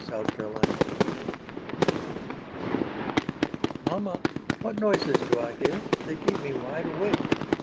OIL THE CRICKET "Mamma, what noises do I hear? They keep me wide awake."